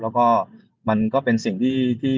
แล้วก็มันก็เป็นสิ่งที่